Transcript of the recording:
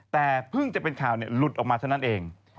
แต่เพิ่งจะเป็นข่าวหลุดออกมาเท่านั้นเอง